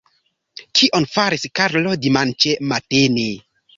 Kion faris Karlo dimanĉe matene?